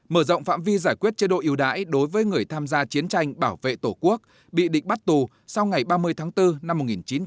mở rộng phạm vi giải quyết chế độ yêu đái đối với người tham gia chiến tranh bảo vệ tổ quốc bị định bắt tù sau ngày ba mươi tháng bốn năm một nghìn chín trăm bảy mươi